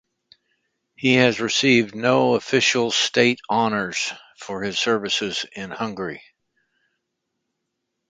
He has received no official state honours for his services in Hungary.